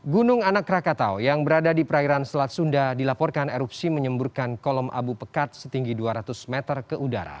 gunung anak rakatau yang berada di perairan selat sunda dilaporkan erupsi menyemburkan kolom abu pekat setinggi dua ratus meter ke udara